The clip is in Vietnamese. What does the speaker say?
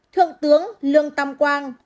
hai thượng tướng lương tâm quang